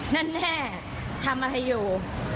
นั่นแน่ทำอะไรอยู่